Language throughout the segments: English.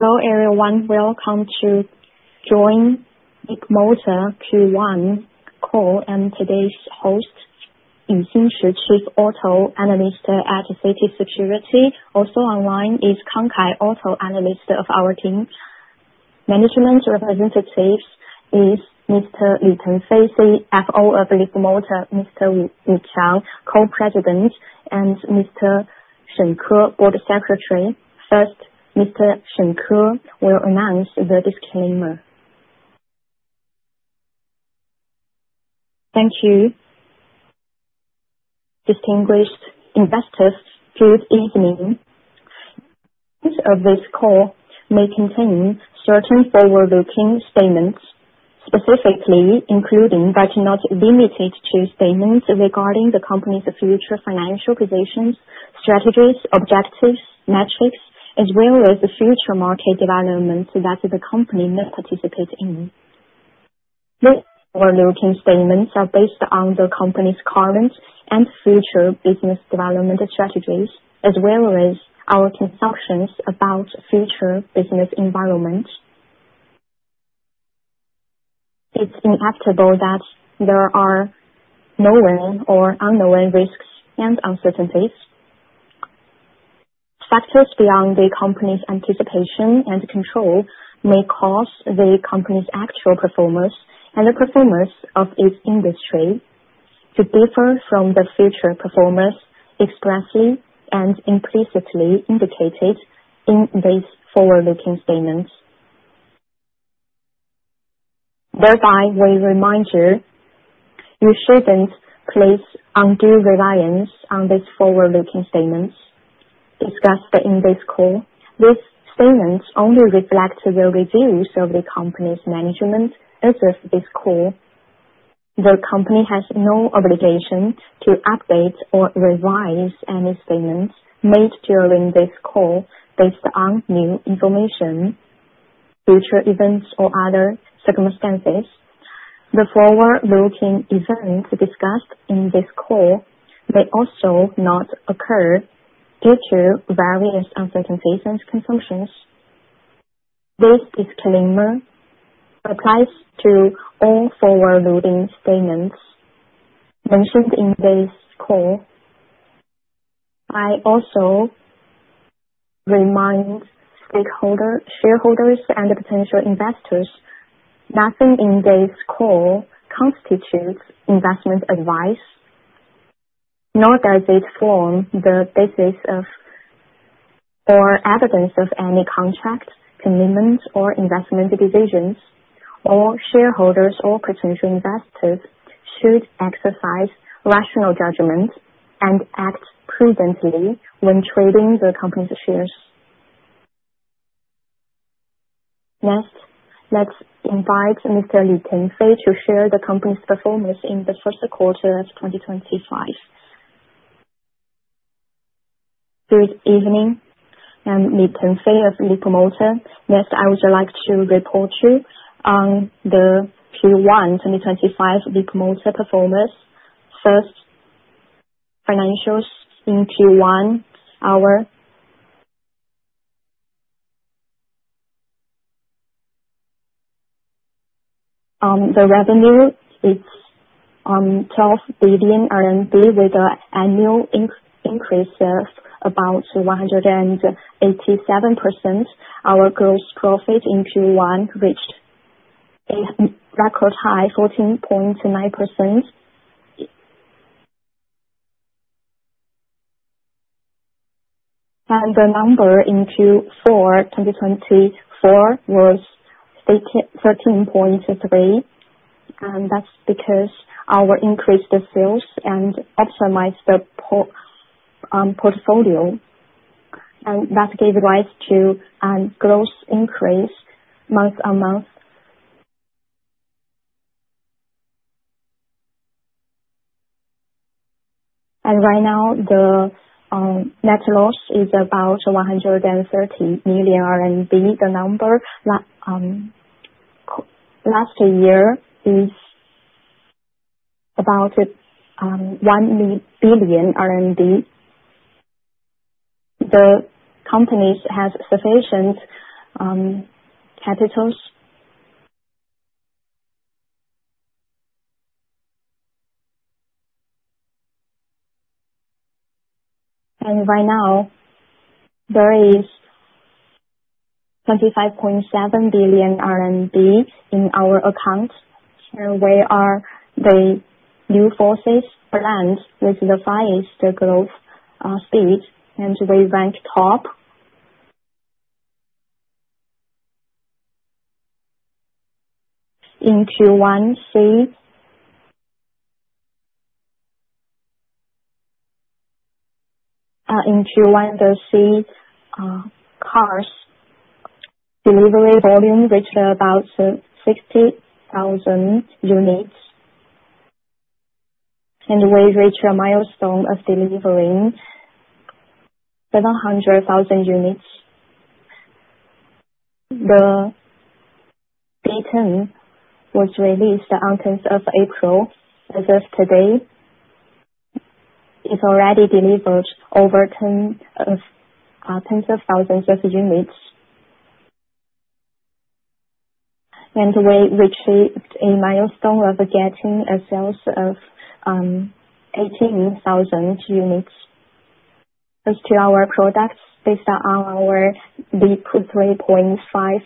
Hello, everyone. Welcome to join Leapmotor Q1 call and today's host is Xin Shi, Chief Auto Analyst at CITIC Securities. Also online is Cong Kai, Auto Analyst of our team. Management representatives are Mr. Li Tengfei, CFO of Leapmotor, Mr. Wu Qiang, Co-President, and Mr. Shen Ke, Board Secretary. First, Mr. Shen Ke will announce the disclaimer. Thank you. Distinguished investors, good evening. This call may contain certain forward-looking statements, specifically including but not limited to statements regarding the company's future financial positions, strategies, objectives, metrics, as well as the future market development that the company may participate in. These forward-looking statements are based on the company's current and future business development strategies, as well as our concerns about the future business environment. It's inevitable that there are known or unknown risks and uncertainties. Factors beyond the company's anticipation and control may cause the company's actual performance and the performance of its industry to differ from the future performance expressly and implicitly indicated in these forward-looking statements. Therefore, we remind you, you shouldn't place undue reliance on these forward-looking statements. Discussed in this call, these statements only reflect the views of the company's management as of this call. The company has no obligation to update or revise any statements made during this call based on new information, future events, or other circumstances. The forward-looking events discussed in this call may also not occur due to various uncertainties and concerns. This disclaimer applies to all forward-looking statements mentioned in this call. I also remind shareholders and potential investors, nothing in this call constitutes investment advice, nor does it form the basis or evidence of any contract, commitments, or investment decisions. All shareholders or potential investors should exercise rational judgment and act prudently when trading the company's shares. Next, let's invite Mr. Li Tengfei to share the company's performance in the first quarter of 2025. Good evening. I'm Li Tengfei of Leapmotor. Next, I would like to report you on the Q1 2025 Leapmotor performance. First, financials in Q1. The revenue is 12 billion RMB with an annual increase of about 187%. Our gross profit in Q1 reached a record high of 14.9%. The number in Q4 2024 was 13.3%. That is because our increased sales and optimized the portfolio. That gave rise to a gross increase month-on-month. Right now, the net loss is about 130 million RMB. The number last year is about 1 billion RMB. The company has sufficient capital. Right now, there is 25.7 billion RMB in our accounts. We are the new forces brand with the highest growth speed, and we rank top in Q1. In Q1, the cars' delivery volume reached about 60,000 units. We reached a milestone of delivering 700,000 units. The data was released on the 10th of April. As of today, it has already delivered over 10,000 units. We achieved a milestone of getting a sales of 18,000 units. As to our products, based on our Leap 3.5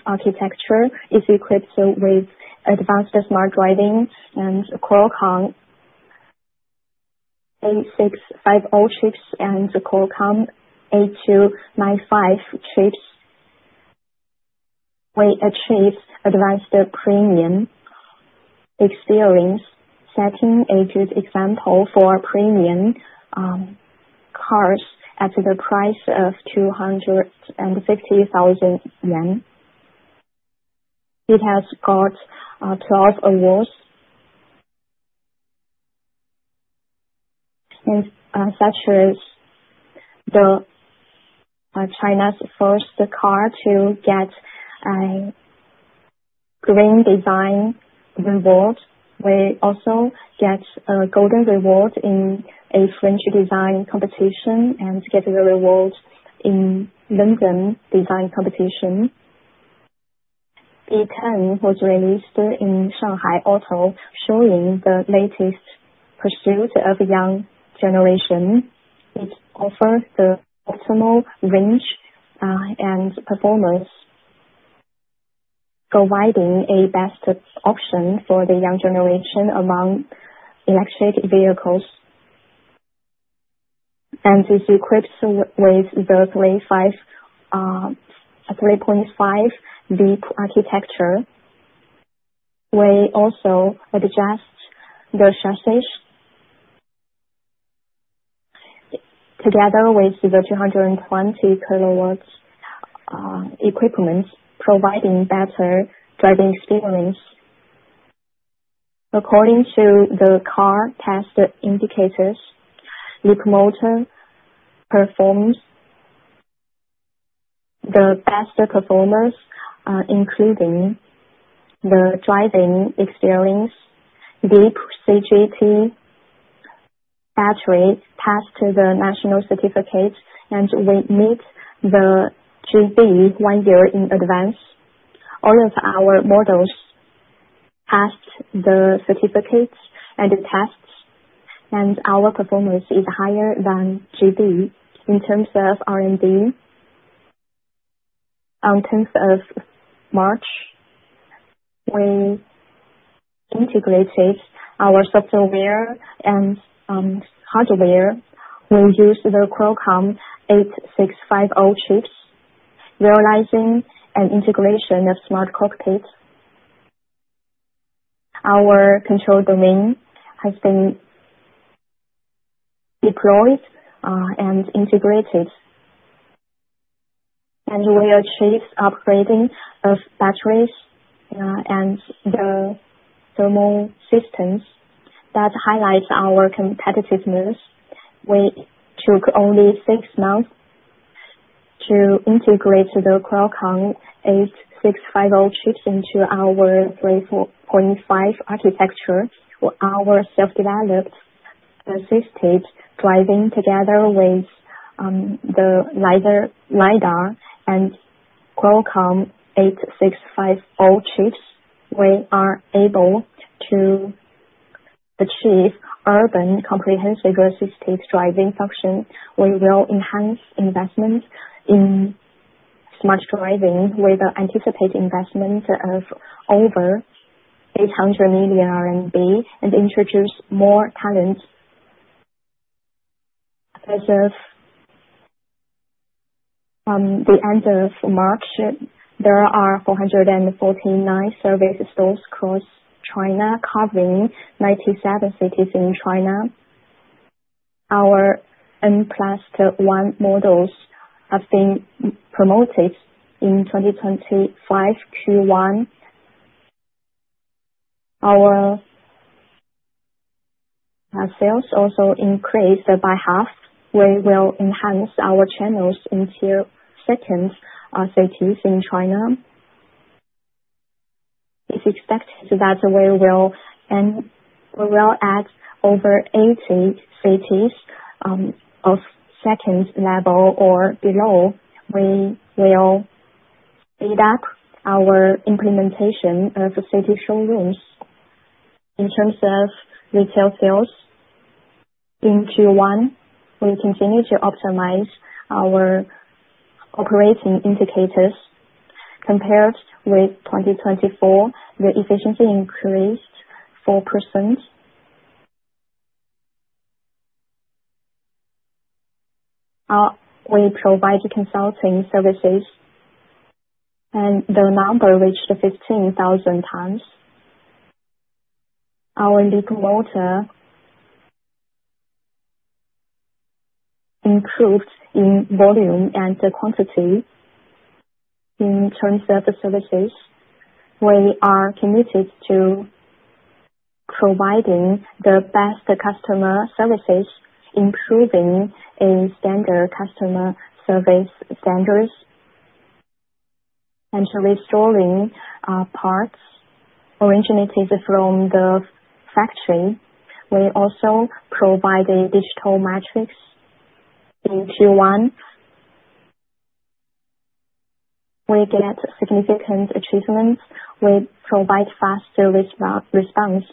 architecture, it is equipped with advanced smart driving and Qualcomm 8650 chips and Qualcomm 8295 chips. We achieved advanced premium experience, setting a good example for premium cars at the price of RMB 250,000. It has got 12 awards, such as China's first car to get a green design reward. We also got a golden reward in a French design competition and got a reward in London design competition. The E10 was released in Shanghai Auto, showing the latest pursuit of the young generation. It offers the optimal range and performance, providing a best option for the young generation among electric vehicles. It is equipped with the Leap 3.5 architecture. We also adjust the chassis together with the 220 kW equipment, providing better driving experience. According to the car test indicators, Leapmotor performs the best performance, including the driving experience. Deep CGT battery passed the national certificate, and we meet the GB standard one year in advance. All of our models passed the certificates and tests, and our performance is higher than GB in terms of RMB. On 10th of March, we integrated our software and hardware. We used the Qualcomm 8650 chips, realizing an integration of smart cockpit. Our control domain has been deployed and integrated, and we achieved upgrading of batteries and the thermal systems. That highlights our competitiveness. We took only six months to integrate the Qualcomm 8650 chips into our 3.5 architecture. Our self-developed assisted driving together with the LiDAR and Qualcomm 8650 chips. We are able to achieve urban comprehensive assisted driving function. We will enhance investment in smart driving with anticipated investment of over 800 million RMB and introduce more talent. As of the end of March, there are 449 service stores across China covering 97 cities in China. Our N+1 models have been promoted in 2025 Q1. Our sales also increased by half. We will enhance our channels into second cities in China. It's expected that we will add over 80 cities of second level or below. We will speed up our implementation of city showrooms. In terms of retail sales in Q1, we continue to optimize our operating indicators. Compared with 2024, the efficiency increased 4%. We provide consulting services, and the number reached 15,000 tons. Our Leapmotor improved in volume and quantity in terms of services. We are committed to providing the best customer services, improving standard customer service standards, and restoring parts originated from the factory. We also provide digital metrics in Q1. We get significant achievements. We provide fast service response.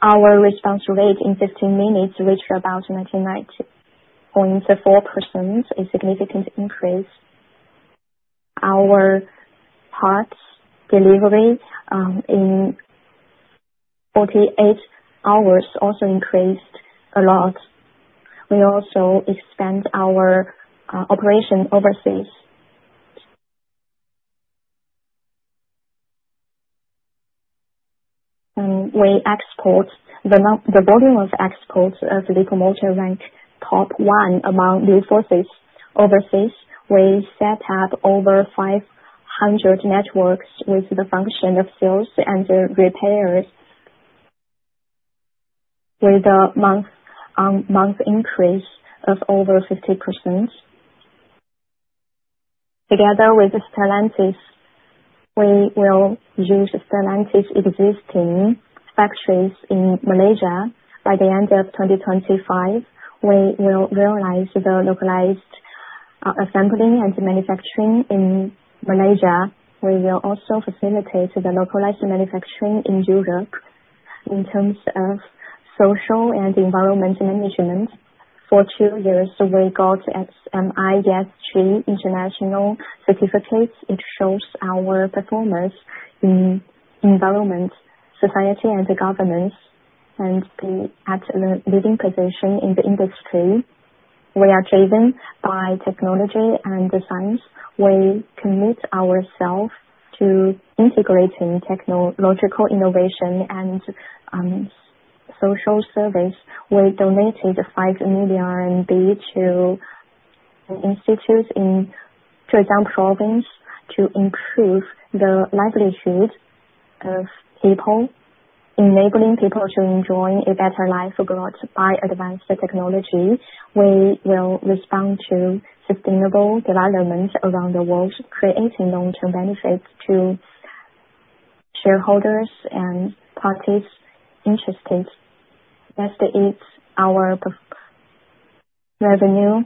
Our response rate in 15 minutes reached about 19.4%, a significant increase. Our parts delivery in 48 hours also increased a lot. We also expand our operation overseas. We export the volume of exports of Leapmotor ranked top one among new forces overseas. We set up over 500 networks with the function of sales and repairs, with a month-on-month increase of over 50%. Together with Stellantis, we will use Stellantis' existing factories in Malaysia. By the end of 2025, we will realize the localized assembling and manufacturing in Malaysia. We will also facilitate the localized manufacturing in Europe. In terms of social and environmental management, for two years, we got SMI Gas G International certificates. It shows our performance in environment, society, and governance, and at the leading position in the industry. We are driven by technology and science. We commit ourselves to integrating technological innovation and social service. We donated 5 million RMB to institutes in Zhejiang Province to improve the livelihood of people, enabling people to enjoy a better life abroad by advanced technology. We will respond to sustainable developments around the world, creating long-term benefits to shareholders and parties interested. That is our revenue.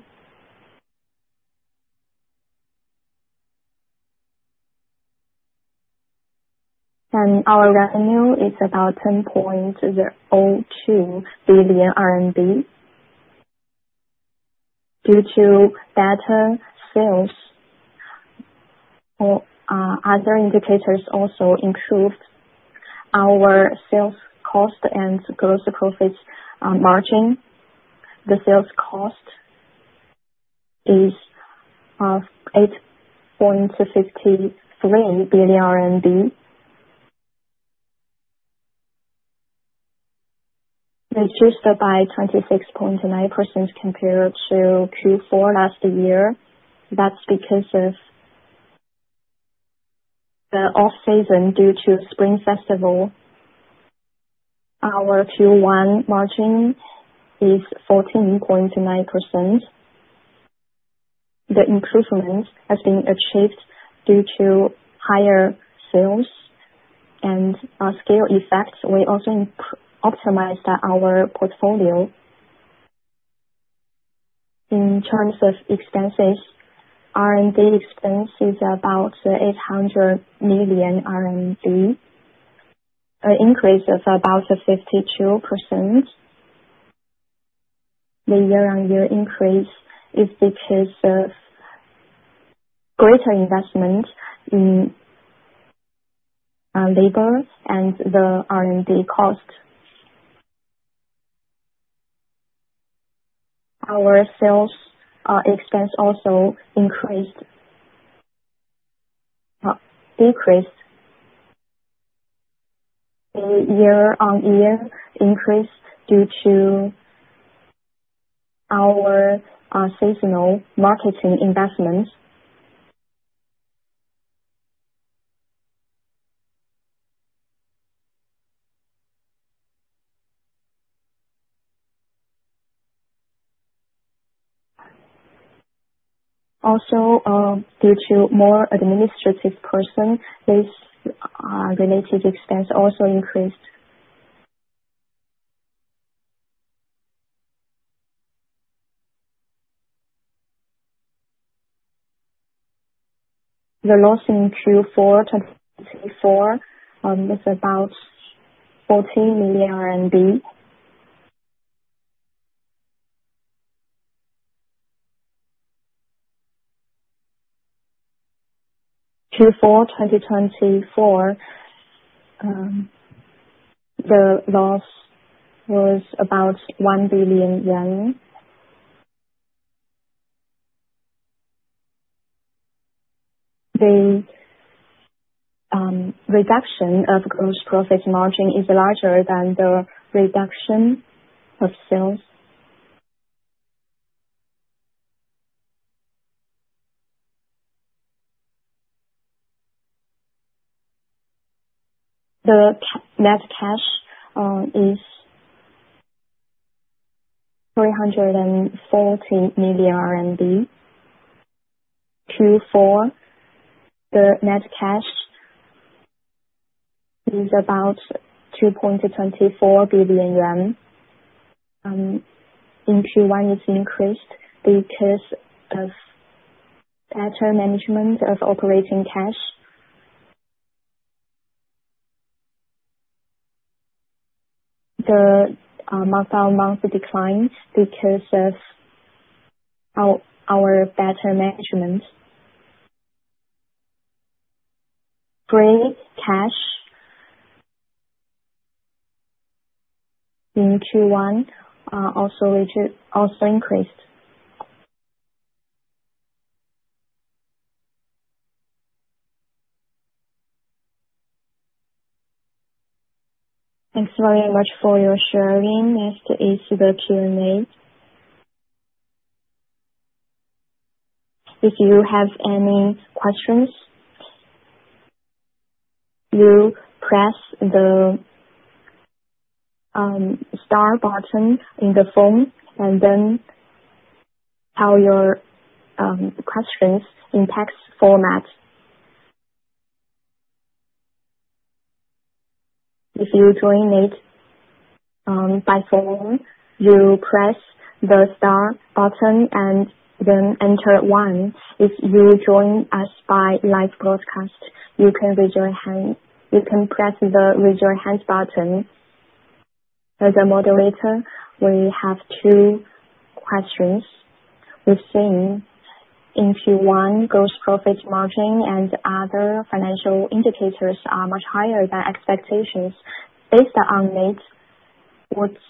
Our revenue is about 10.02 billion RMB. Due to better sales, other indicators also improved. Our sales cost and gross profit margin. The sales cost is 8.53 billion RMB. Reduced by 26.9% compared to Q4 last year. That's because of the off-season due to Spring Festival. Our Q1 margin is 14.9%. The improvement has been achieved due to higher sales and scale effects. We also optimized our portfolio. In terms of expenses, R&D expense is about 800 million, an increase of about 52%. The year-on-year increase is because of greater investment in labor and the R&D cost. Our sales expense also decreased. The year-on-year increase is due to our seasonal marketing investments. Also, due to more administrative persons, this related expense also increased. The loss in Q4 2024 was about RMB 14 million. Q4 2024, the loss was about 1 billion yen. The reduction of gross profit margin is larger than the reduction of sales. The net cash is 340 million RMB. Q4, the net cash is about JPY 2.24 billion. In Q1, it increased because of better management of operating cash. The month-on-month decline is because of our better management. Free cash in Q1 also increased. Thanks very much for your sharing. Next is the Q&A. If you have any questions, you press the star button in the phone and then tell your questions in text format. If you join it by phone, you press the star button and then enter 1. If you join us by live broadcast, you can raise your hand. You can press the raise your hand button. As a moderator, we have two questions. We've seen in Q1, gross profit margin and other financial indicators are much higher than expectations. Based on it, what's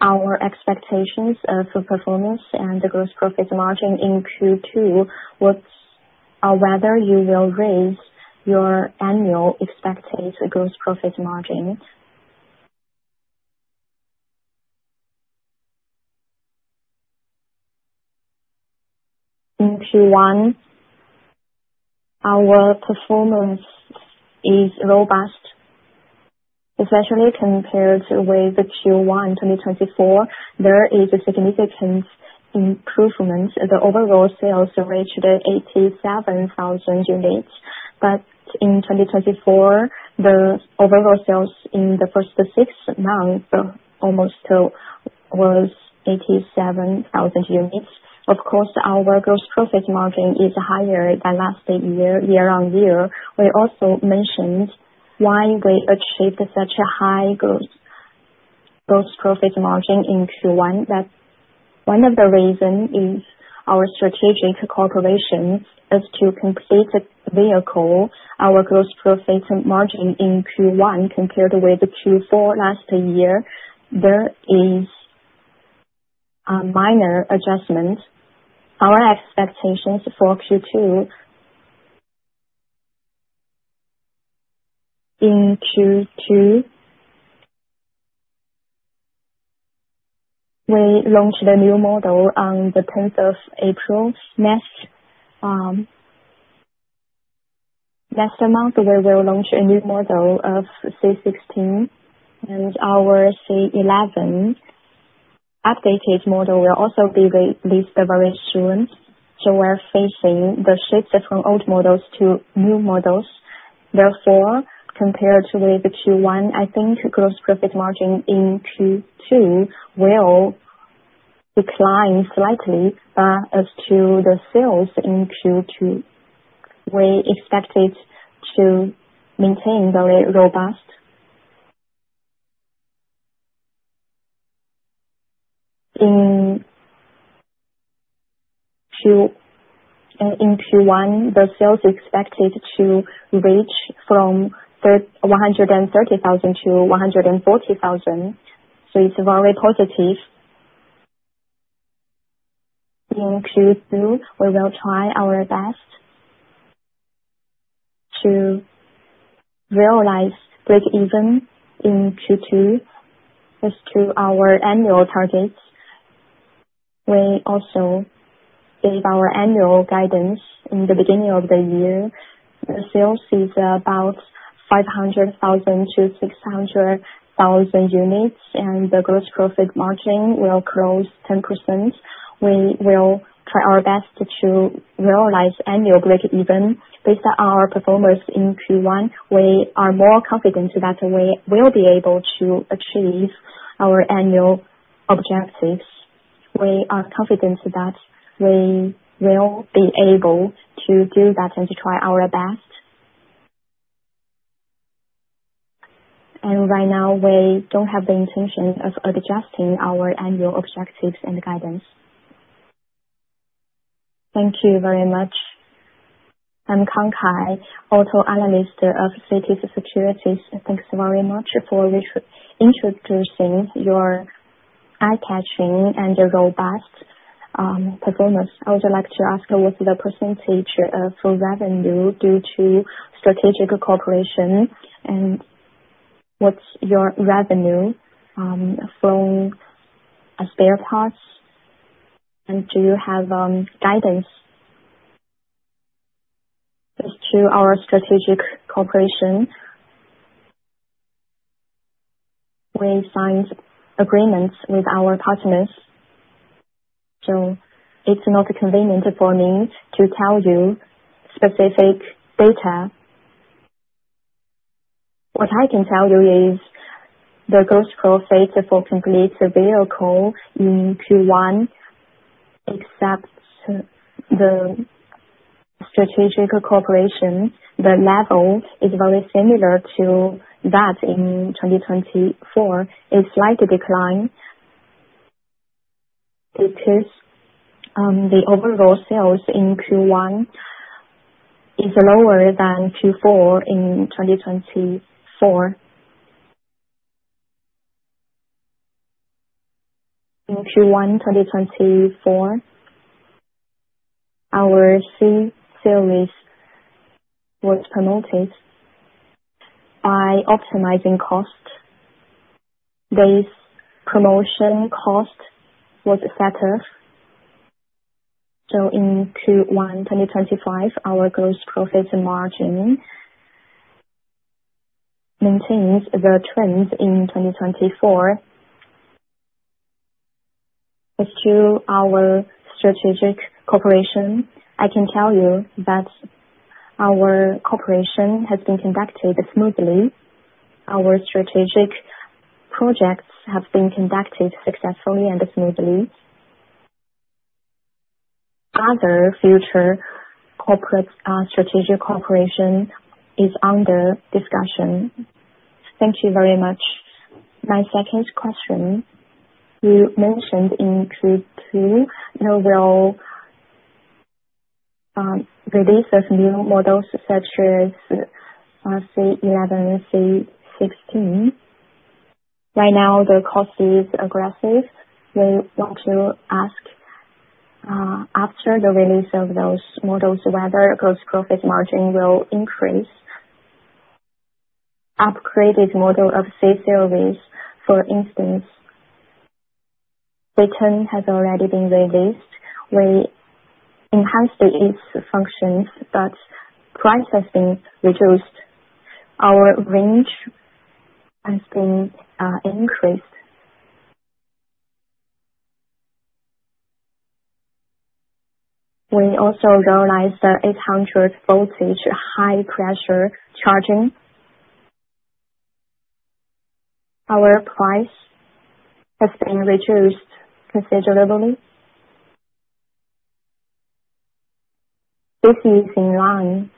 our expectations of performance and gross profit margin in Q2? What's whether you will raise your annual expected gross profit margin? In Q1, our performance is robust, especially compared with Q1 2024. There is a significant improvement. The overall sales reached 87,000 units, but in 2024, the overall sales in the first six months almost was 87,000 units. Of course, our gross profit margin is higher than last year, year-on-year. We also mentioned why we achieved such a high gross profit margin in Q1. One of the reasons is our strategic cooperation is to complete vehicle. Our gross profit margin in Q1 compared with Q4 last year, there is a minor adjustment. Our expectations for Q2. In Q2, we launched a new model on the 10th of April. Next month, we will launch a new model of C16, and our C11 updated model will also be released very soon. We are facing the shift from old models to new models. Therefore, compared with Q1, I think gross profit margin in Q2 will decline slightly as to the sales in Q2. We expected to maintain the robust. In Q1, the sales expected to reach from 130,000 to 140,000. It is very positive. In Q2, we will try our best to realize break-even in Q2. As to our annual targets, we also gave our annual guidance in the beginning of the year. The sales is about 500,000-600,000 units, and the gross profit margin will close 10%. We will try our best to realize annual break-even. Based on our performance in Q1, we are more confident that we will be able to achieve our annual objectives. We are confident that we will be able to do that and try our best. Right now, we do not have the intention of adjusting our annual objectives and guidance. Thank you very much. I am Cong Kai, auto analyst of CITIC Securities. Thanks very much for introducing your eye-catching and robust performance. I would like to ask what's the percentage of revenue due to strategic cooperation, and what's your revenue from spare parts, and do you have guidance as to our strategic cooperation? We signed agreements with our partners, so it's not convenient for me to tell you specific data. What I can tell you is the gross profit for complete vehicle in Q1, except the strategic cooperation, the level is very similar to that in 2024. It's slightly declined. The overall sales in Q1 is lower than Q4 in 2024. In Q1 2024, our C series was promoted by optimizing cost. This promotion cost was set up. In Q1 2025, our gross profit margin maintains the trend in 2024. As to our strategic cooperation, I can tell you that our cooperation has been conducted smoothly. Our strategic projects have been conducted successfully and smoothly. Other future corporate strategic cooperation is under discussion. Thank you very much. My second question. You mentioned in Q2 there will be release of new models such as C11, C16. Right now, the cost is aggressive. We want to ask after the release of those models whether gross profit margin will increase. Upgraded model of C series, for instance, patent has already been released. We enhanced its functions, but price has been reduced. Our range has been increased. We also realized the 800-voltage high-pressure charging. Our price has been reduced considerably. This is in line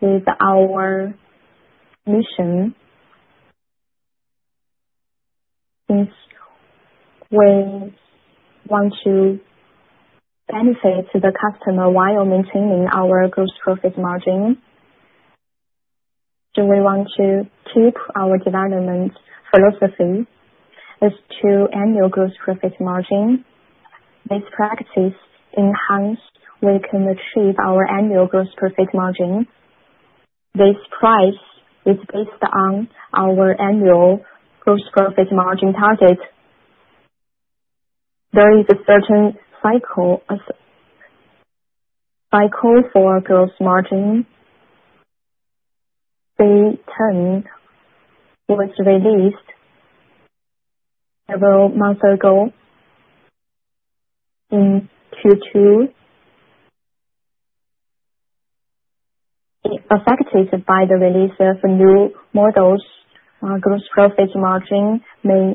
with our mission. We want to benefit the customer while maintaining our gross profit margin. We want to keep our development philosophy as to annual gross profit margin. This practice enhanced we can achieve our annual gross profit margin. This price is based on our annual gross profit margin target. There is a certain cycle for gross margin. The term was released several months ago in Q2. Affected by the release of new models, gross profit margin may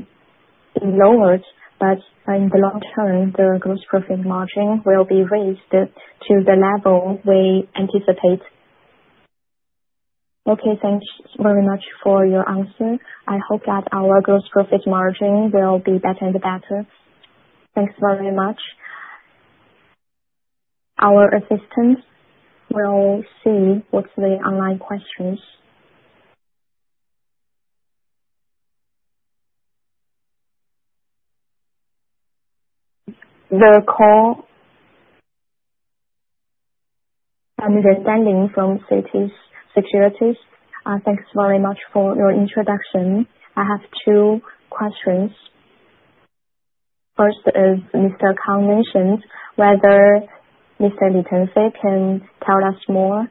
be lowered, but in the long term, the gross profit margin will be raised to the level we anticipate. Okay, thanks very much for your answer. I hope that our gross profit margin will be better and better. Thanks very much. Our assistant will see what's the online questions. The call. I'm understanding from CITIC Securities. Thanks very much for your introduction. I have two questions. First is Mr. Kang mentioned whether Mr. Li Tengfei can tell us more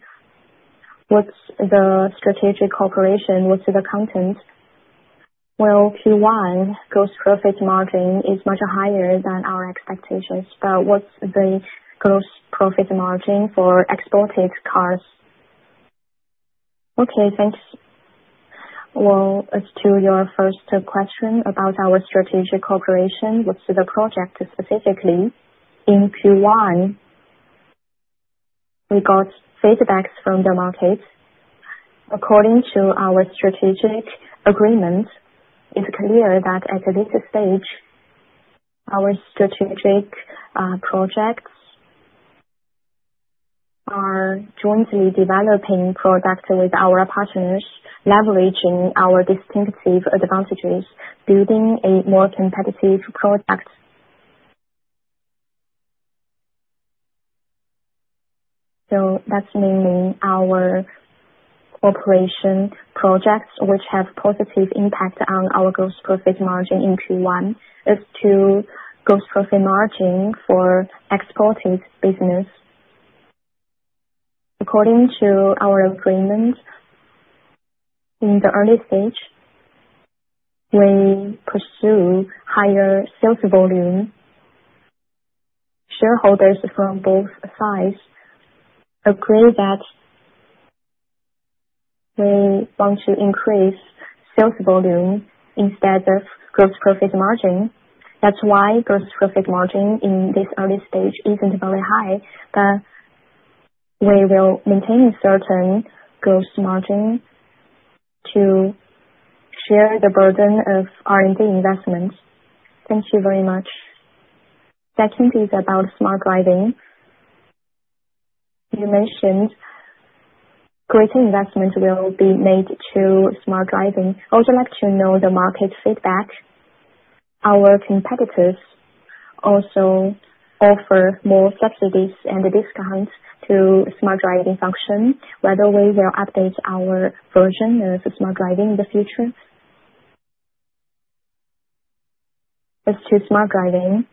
what's the strategic corporation, what's the content. Okay, Q1 gross profit margin is much higher than our expectations, but what's the gross profit margin for exported cars? Okay, thanks. As to your first question about our strategic corporation, what's the project specifically? In Q1, we got feedback from the market. According to our strategic agreement, it's clear that at this stage, our strategic projects are jointly developing products with our partners, leveraging our distinctive advantages, building a more competitive product. That is mainly our cooperation projects which have positive impact on our gross profit margin in Q1. As to gross profit margin for exported business, according to our agreement, in the early stage, we pursue higher sales volume. Shareholders from both sides agree that we want to increase sales volume instead of gross profit margin. That is why gross profit margin in this early stage is not very high, but we will maintain certain gross margin to share the burden of R&D investments. Thank you very much. Second is about smart driving. You mentioned greater investment will be made to smart driving. I would like to know the market feedback. Our competitors also offer more subsidies and discounts to smart driving function. Whether we will update our version of smart driving in the future. As to smart driving.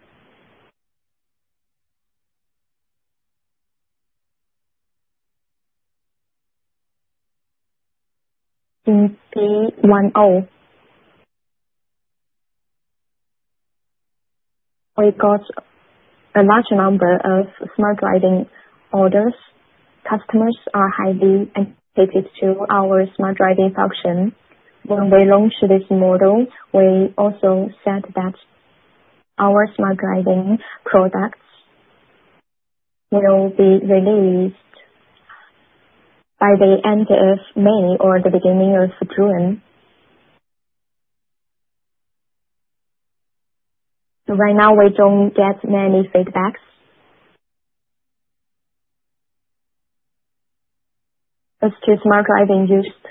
In B10. We got a large number of smart driving orders. Customers are highly anticipated to our smart driving function. When we launched this model, we also said that our smart driving products will be released by the end of May or the beginning of June. Right now, we do not get many feedbacks. As to smart driving used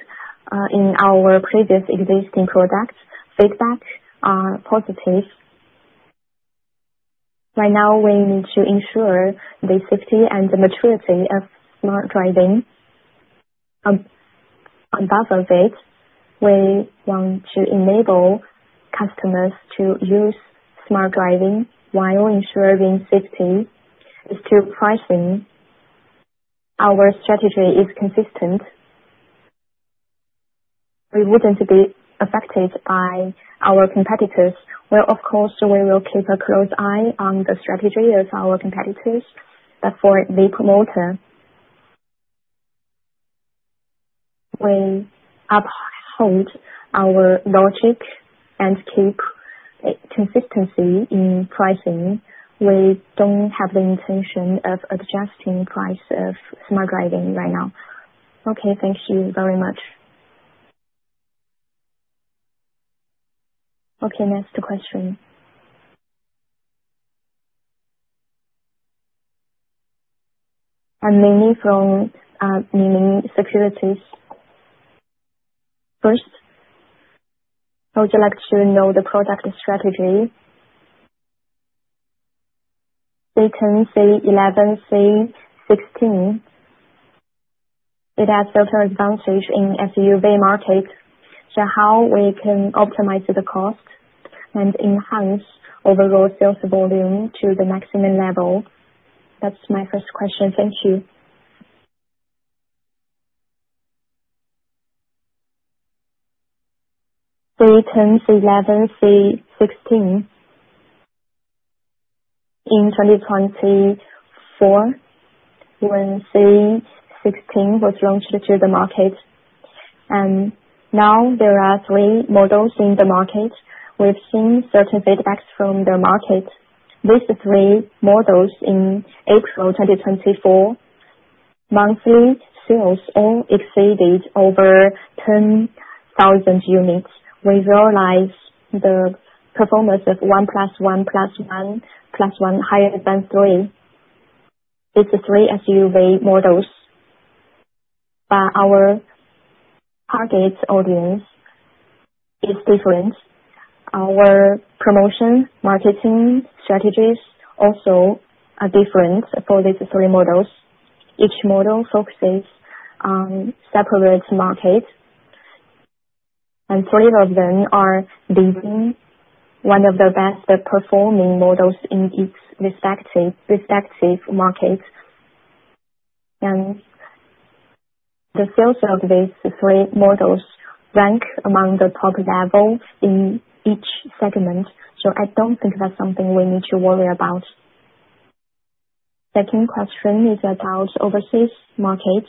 in our previous existing products, feedback are positive. Right now, we need to ensure the safety and the maturity of smart driving. On top of it, we want to enable customers to use smart driving while ensuring safety. As to pricing, our strategy is consistent. We would not be affected by our competitors. Of course, we will keep a close eye on the strategy of our competitors. For the promoter, we uphold our logic and keep consistency in pricing. We do not have the intention of adjusting price of smart driving right now. Okay, thank you very much. Okay, next question. I am mainly from Miming Securities. First, I would like to know the product strategy. They can say C11, C16. It has total advantage in SUV market. How can we optimize the cost and enhance overall sales volume to the maximum level? That is my first question. Thank you. They turned C11, C16. In 2024, when C16 was launched to the market, now there are three models in the market. We have seen certain feedbacks from the market. These three models in April 2024, monthly sales all exceeded over 10,000 units. We realized the performance of one plus one plus one plus one higher than three. It is three SUV models. Our target audience is different. Our promotion marketing strategies also are different for these three models. Each model focuses on separate markets. Three of them are leading, one of the best performing models in each respective market. The sales of these three models rank among the top level in each segment. I do not think that is something we need to worry about. The second question is about overseas market.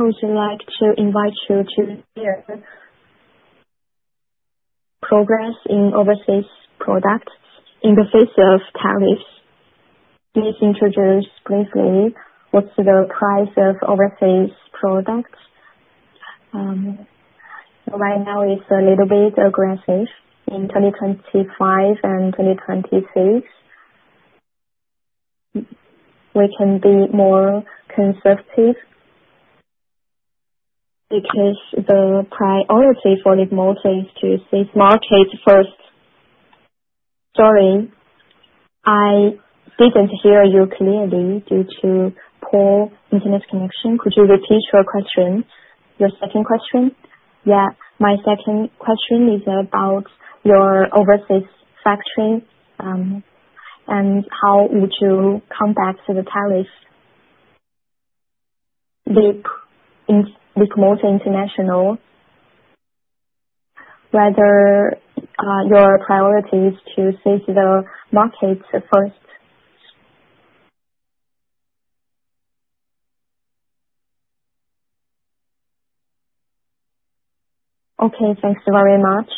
I would like to invite you to share progress in overseas products in the face of tariffs. Please introduce briefly what is the price of overseas products. Right now, it is a little bit aggressive in 2025 and 2026. We can be more conservative because the priority for the models is to see market first. Sorry, I didn't hear you clearly due to poor internet connection. Could you repeat your question? Your second question? Yeah. My second question is about your overseas factory and how would you combat the tariff. Leapmotor International. Whether your priority is to see the market first. Okay, thanks very much.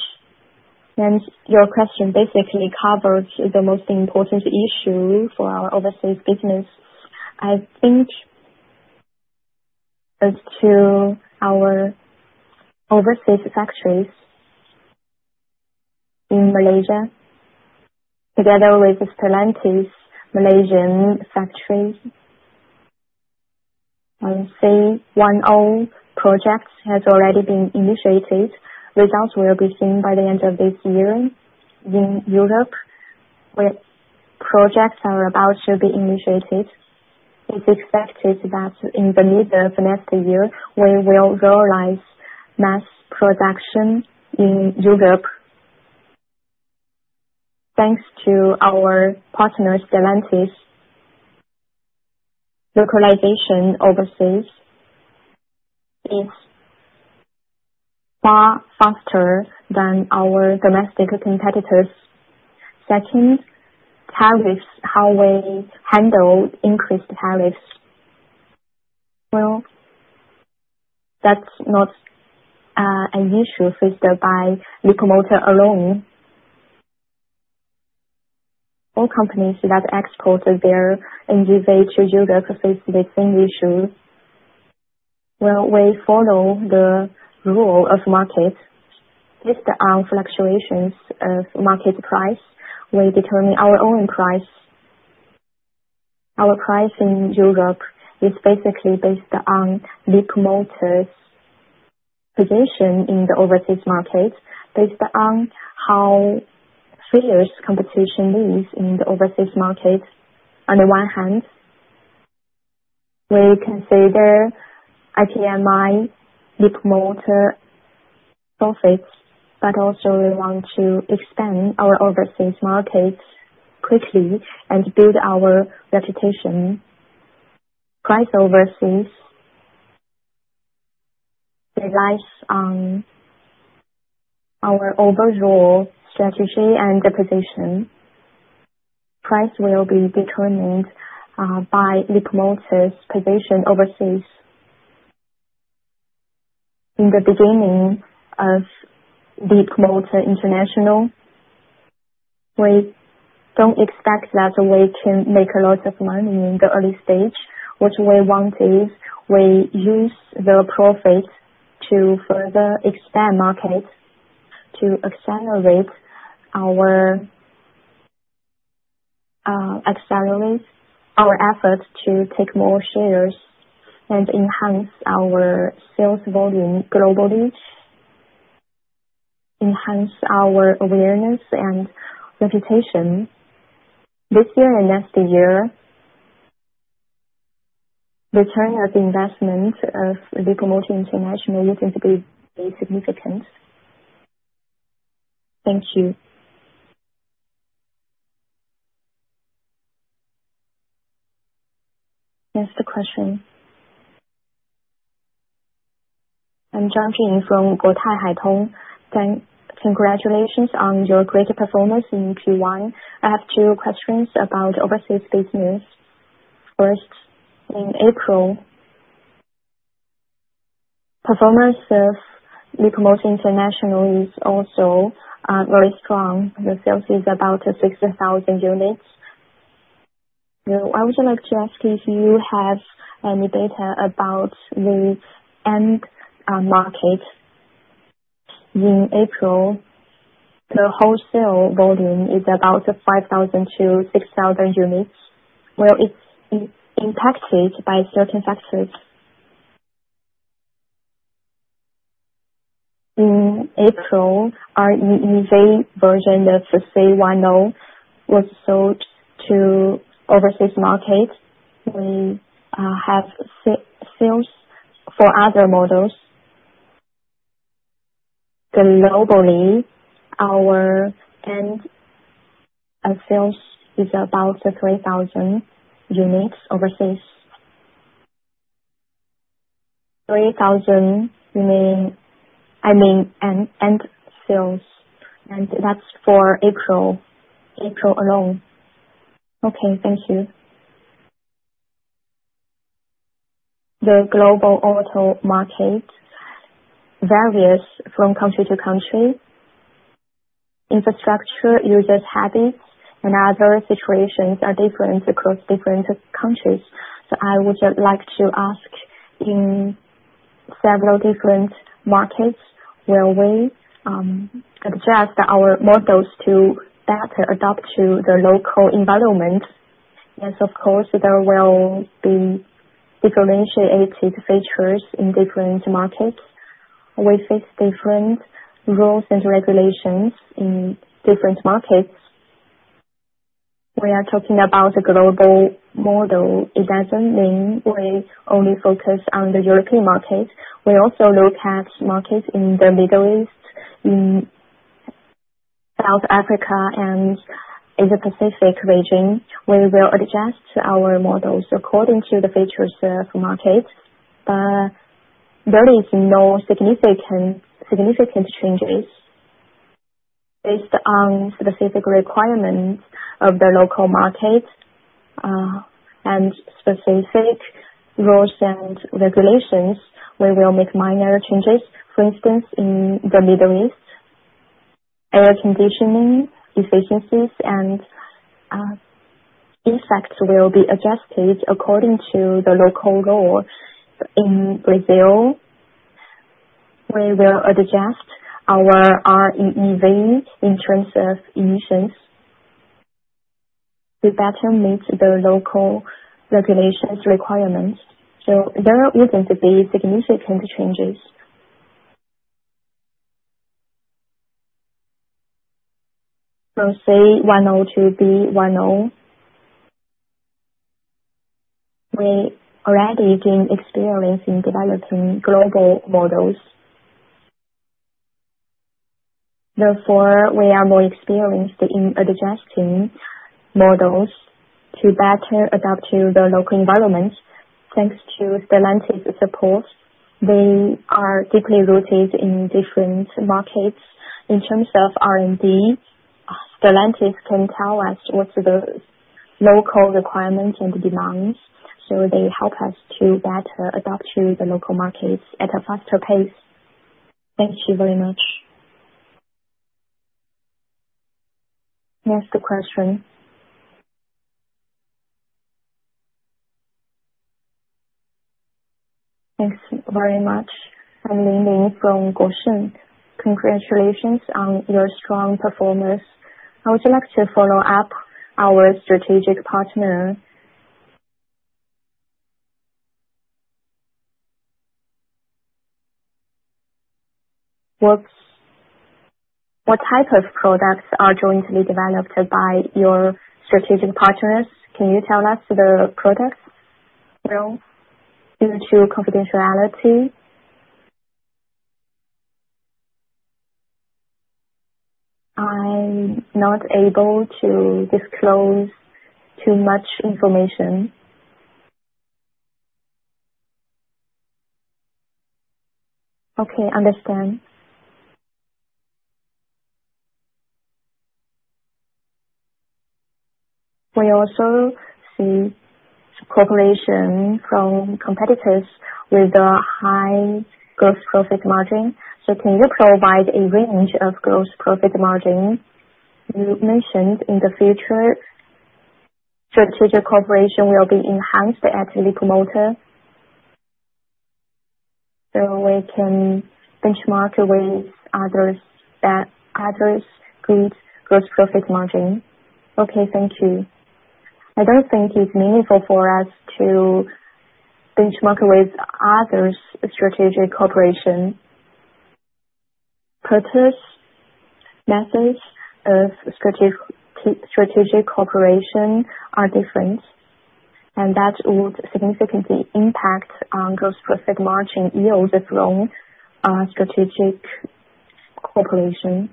Your question basically covers the most important issue for our overseas business. I think as to our overseas factories in Malaysia, together with Stellantis Malaysian factories, I see one old project has already been initiated. Results will be seen by the end of this year in Europe. Projects are about to be initiated. It's expected that in the middle of next year, we will realize mass production in Europe. Thanks to our partner Stellantis, localization overseas is far faster than our domestic competitors. Second, tariffs, how we handle increased tariffs. That's not an issue faced by Leapmotor alone. All companies that export their NGV to Europe face the same issue. We follow the rule of market. Based on fluctuations of market price, we determine our own price. Our pricing in Europe is basically based on Leapmotor's position in the overseas market, based on how fierce competition is in the overseas market. On the one hand, we consider Leapmotor profits, but also we want to expand our overseas markets quickly and build our reputation. Price overseas relies on our overall strategy and position. Price will be determined by Leapmotor's position overseas. In the beginning of Leapmotor International, we do not expect that we can make a lot of money in the early stage. What we want is we use the profit to further expand market, to accelerate our efforts to take more shares and enhance our sales volume globally, enhance our awareness and reputation. This year and next year, return of investment of Leapmotor International would not be significant. Thank you. Next question. I'm joining from Guotai Hai Tong. Congratulations on your great performance in Q1. I have two questions about overseas business. First, in April, performance of Leapmotor International is also very strong. The sales is about 6,000 units. I would like to ask if you have any data about the end market. In April, the wholesale volume is about 5,000-6,000 units. It is impacted by certain factors. In April, our REEV version of Z10 was sold to overseas market. We have sales for other models. Globally, our end sales is about 3,000 units overseas. 3,000, I mean, end sales. And that is for April alone. Okay, thank you. The global auto market varies from country to country. Infrastructure, user habits, and other situations are different across different countries. I would like to ask in several different markets where we adjust our models to better adapt to the local environment. Yes, of course, there will be differentiated features in different markets. We face different rules and regulations in different markets. We are talking about a global model. It does not mean we only focus on the European market. We also look at markets in the Middle East, in South Africa, and Asia-Pacific region. We will adjust our models according to the features of markets. There are no significant changes. Based on specific requirements of the local market and specific rules and regulations, we will make minor changes. For instance, in the Middle East, air conditioning efficiencies and effects will be adjusted according to the local law. In Brazil, we will adjust our REEV in terms of emissions to better meet the local regulations requirements. There would not be significant changes. From Z10 to B10, we already gained experience in developing global models. Therefore, we are more experienced in adjusting models to better adapt to the local environment. Thanks to Stellantis support, they are deeply rooted in different markets. In terms of R&D, Stellantis can tell us what the local requirements and demands are. They help us to better adapt to the local markets at a faster pace. Thank you very much. Next question. Thanks very much. I am leaving from Guoshen. Congratulations on your strong performance. I would like to follow up our strategic partner. What type of products are jointly developed by your strategic partners? Can you tell us the products? Due to confidentiality, I am not able to disclose too much information. Okay, understand. We also see cooperation from competitors with a high gross profit margin. Can you provide a range of gross profit margin? You mentioned in the future, strategic cooperation will be enhanced at Leapmotor. We can benchmark with others' good gross profit margin. Thank you. I do not think it is meaningful for us to benchmark with others' strategic cooperation. Purpose and methods of strategic cooperation are different. That would significantly impact gross profit margin yield from strategic cooperation.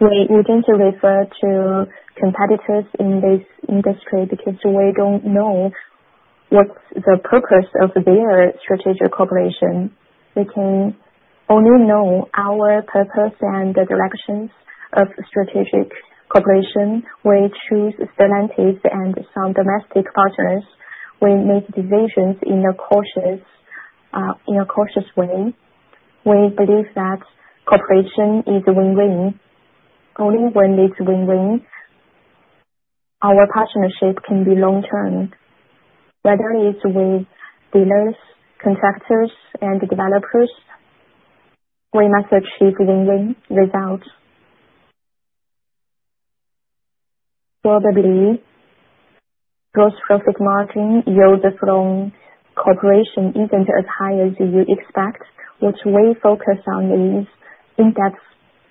We would not refer to competitors in this industry because we do not know what is the purpose of their strategic cooperation. We can only know our purpose and the directions of strategic cooperation. We choose Stellantis and some domestic partners. We make decisions in a cautious way. We believe that cooperation is win-win. Only when it is win-win, our partnership can be long-term. Whether it is with dealers, contractors, and developers, we must achieve win-win results. Probably, gross profit margin yield from cooperation isn't as high as you expect. What we focus on is in-depth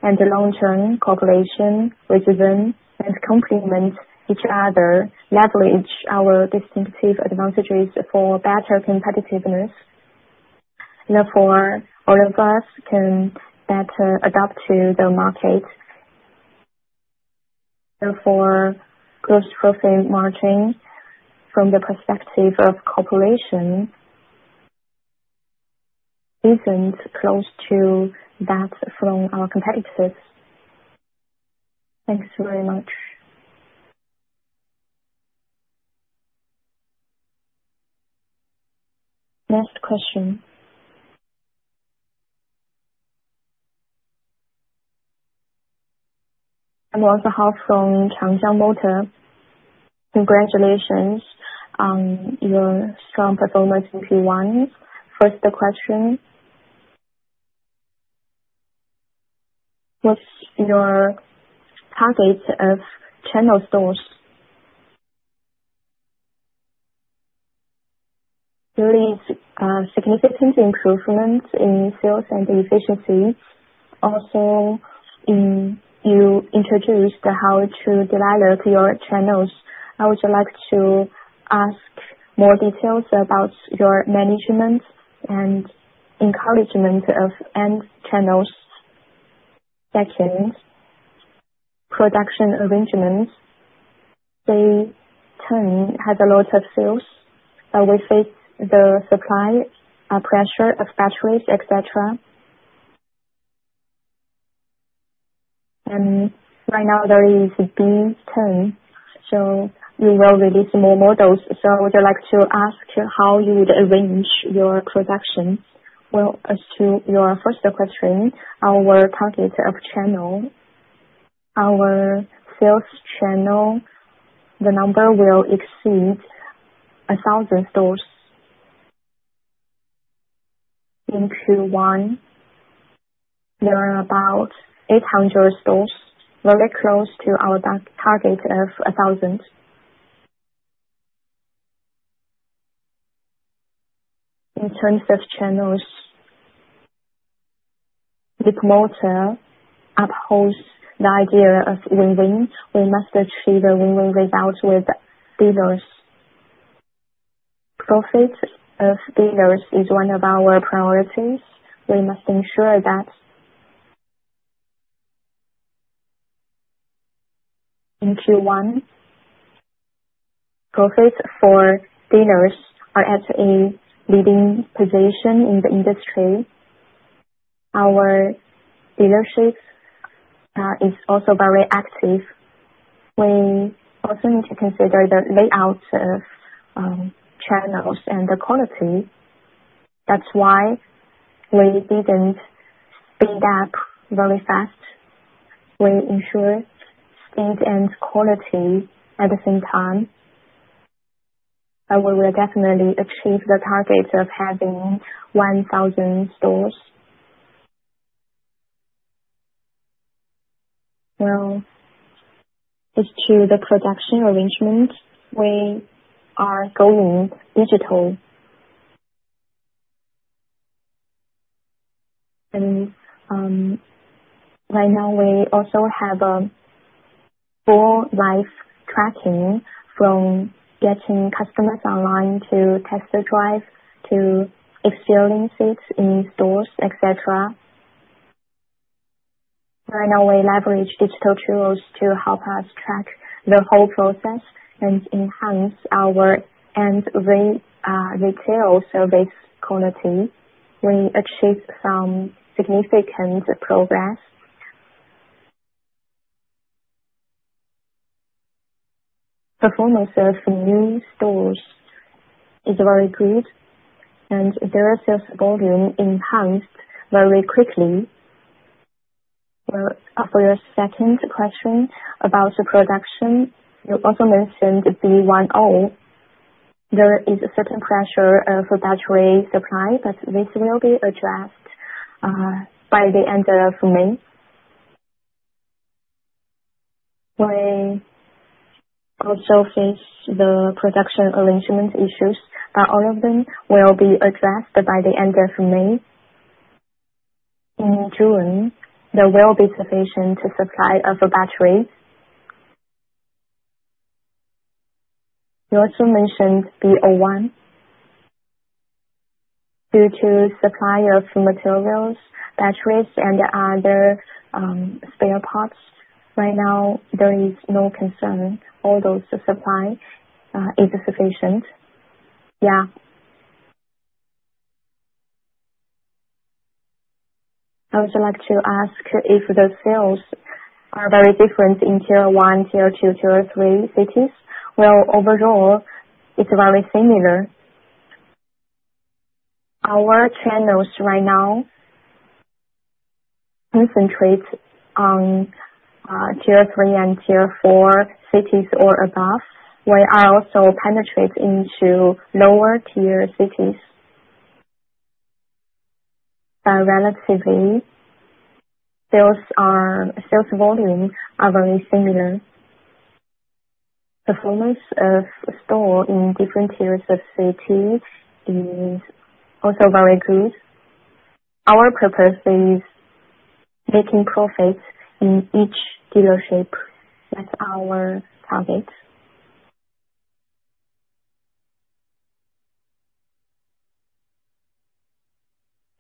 and long-term cooperation, which then complement each other, leverage our distinctive advantages for better competitiveness. Therefore, all of us can better adapt to the market. Therefore, gross profit margin from the perspective of cooperation isn't close to that from our competitors. Thanks very much. Next question. I'm also from Zhongjin Auto. Congratulations on your strong performance in Q1. First question. What's your target of channel stores? There is significant improvement in sales and efficiency. Also, you introduced how to develop your channels. I would like to ask more details about your management and encouragement of end channels. Second, production arrangements. B10 has a lot of sales. We face the supply pressure of batteries, etc. And right now, there is B10. So you will release more models. I would like to ask how you would arrange your production. As to your first question, our target of channel, our sales channel, the number will exceed 1,000 stores in Q1. There are about 800 stores, very close to our target of 1,000. In terms of channels, Leapmotor upholds the idea of win-win. We must achieve a win-win result with dealers. Profit of dealers is one of our priorities. We must ensure that in Q1, profit for dealers are at a leading position in the industry. Our dealership is also very active. We also need to consider the layout of channels and the quality. That is why we did not speed up very fast. We ensure speed and quality at the same time. We will definitely achieve the target of having 1,000 stores. As to the production arrangement, we are going digital. Right now, we also have a full life tracking from getting customers online to test the drive to experience it in stores, etc. Right now, we leverage digital tools to help us track the whole process and enhance our end retail service quality. We achieved some significant progress. Performance of new stores is very good, and their sales volume enhanced very quickly. For your second question about production, you also mentioned B10. There is a certain pressure of battery supply, but this will be addressed by the end of May. We also face the production arrangement issues, but all of them will be addressed by the end of May. In June, there will be sufficient supply of batteries. You also mentioned B01. Due to supply of materials, batteries, and other spare parts, right now, there is no concern. Although the supply is sufficient. Yeah. I would like to ask if the sales are very different in Tier 1, Tier 2, Tier 3 cities. Overall, it's very similar. Our channels right now concentrate on Tier 3 and Tier 4 cities or above. We are also penetrating into lower-tier cities. Relatively, sales volumes are very similar. Performance of stores in different tiers of cities is also very good. Our purpose is making profits in each dealership. That's our target.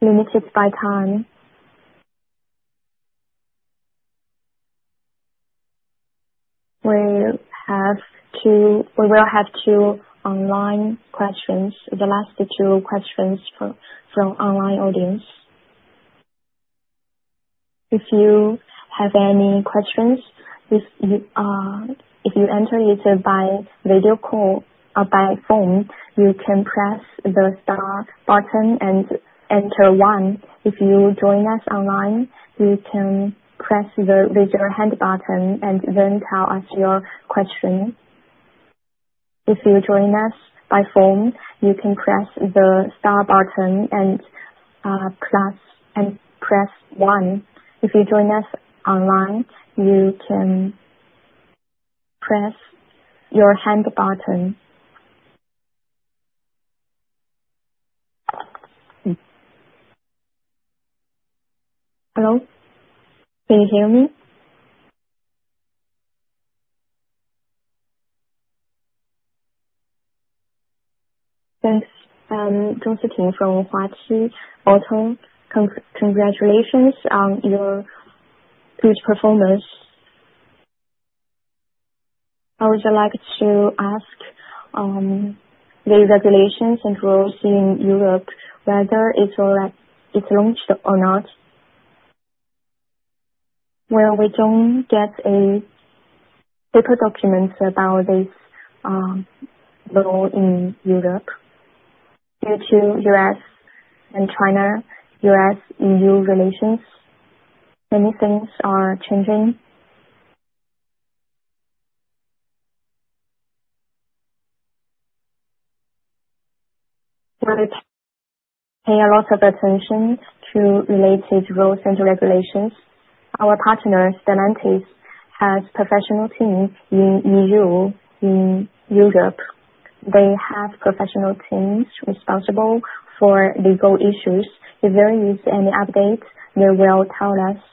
Limited by time. We will have two online questions. The last two questions from online audience. If you have any questions, if you enter it by video call or by phone, you can press the star button and enter one. If you join us online, you can press the visual hand button and then tell us your question. If you join us by phone, you can press the star button and press one. If you join us online, you can press your hand button. Hello? Can you hear me? Thanks. Zhong Siting from Huaxi Auto. Congratulations on your good performance. I would like to ask the regulations and rules in Europe, whether it's launched or not. We do not get paper documents about this law in Europe due to U.S. and China-U.S.-EU relations. Many things are changing. We pay a lot of attention to related rules and regulations. Our partner, Stellantis, has a professional team in Europe. They have professional teams responsible for legal issues. If there is any update, they will tell us.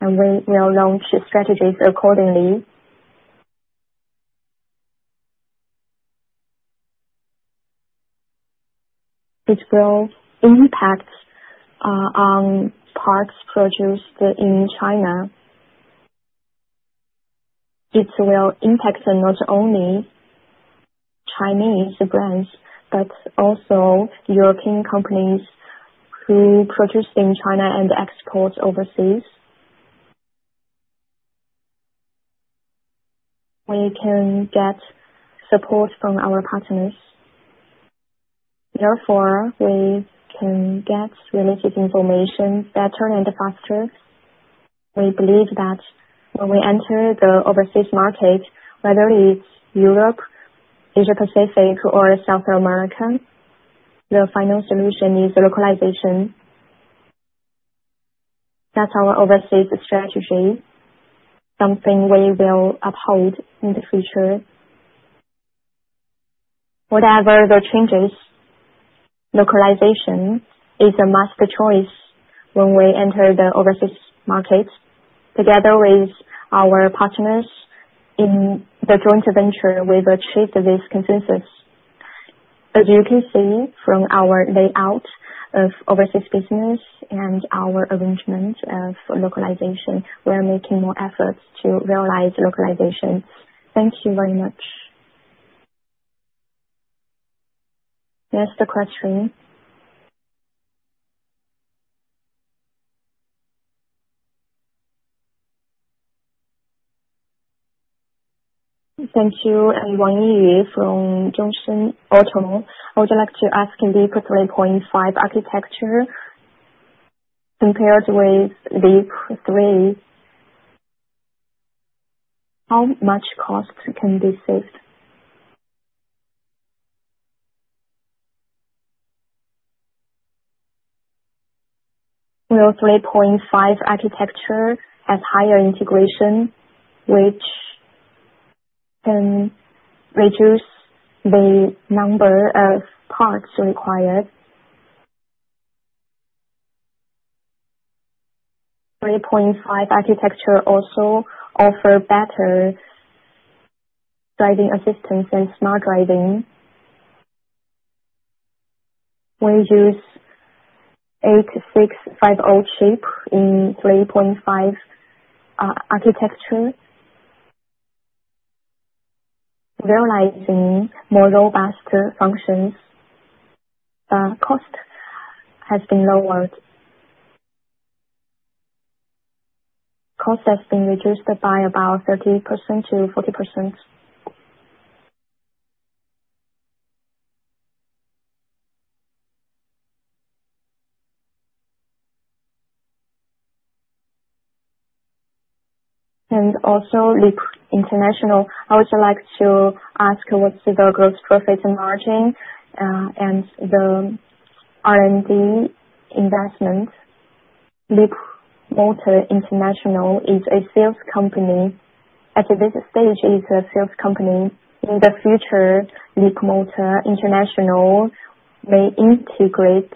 We will launch strategies accordingly. It will impact on parts produced in China. It will impact not only Chinese brands, but also European companies who produce in China and export overseas. We can get support from our partners. Therefore, we can get related information better and faster. We believe that when we enter the overseas market, whether it's Europe, Asia-Pacific, or South America, the final solution is localization. That's our overseas strategy, something we will uphold in the future. Whatever the changes, localization is a must-choice when we enter the overseas market. Together with our partners in the joint venture, we've achieved this consensus. As you can see from our layout of overseas business and our arrangement of localization, we are making more efforts to realize localization. Thank you very much. Next question. Thank you. Wang Yiyu from Zhongjin Auto. I would like to ask, in Leap 3.5 architecture, compared with Leap 3, how much cost can be saved? 3.5 architecture has higher integration, which can reduce the number of parts required. 3.5 architecture also offers better driving assistance and smart driving. We use 8650 chip in 3.5 architecture, realizing more robust functions. Cost has been lowered. Cost has been reduced by about 30%-40%. Also, Leapmotor International, I would like to ask what's the gross profit margin and the R&D investment. Leapmotor International is a sales company. At this stage, it's a sales company. In the future, Leapmotor International may integrate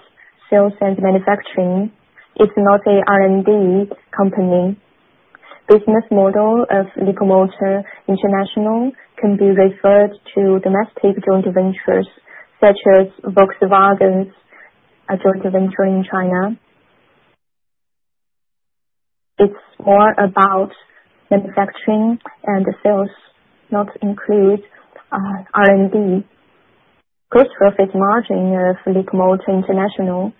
sales and manufacturing. It's not an R&D company. Business model of Leapmotor International can be referred to domestic joint ventures such as Volkswagen's joint venture in China. It's more about manufacturing and sales, not include R&D. Gross profit margin of Leapmotor International.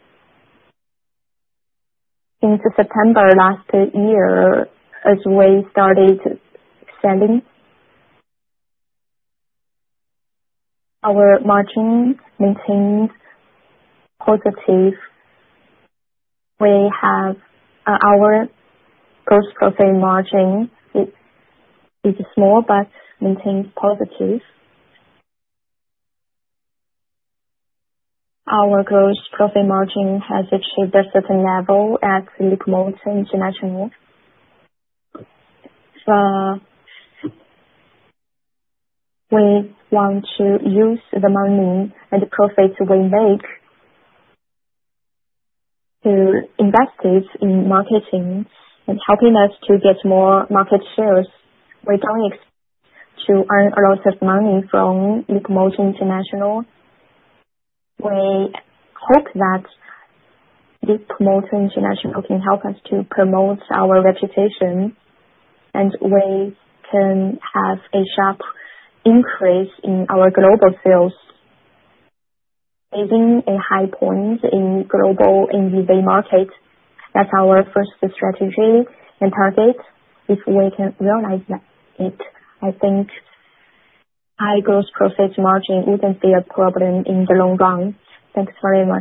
Since September last year, as we started selling, our margin maintained positive. Our gross profit margin is small but maintains positive. Our gross profit margin has achieved a certain level at Leapmotor International. We want to use the money and profits we make to invest it in marketing and helping us to get more market shares. We don't expect to earn a lot of money from Leapmotor International. We hope that Leapmotor International can help us to promote our reputation and we can have a sharp increase in our global sales. Leaving a high point in global NDV market, that's our first strategy and target. If we can realize it, I think high gross profit margin wouldn't be a problem in the long run. Thanks very much.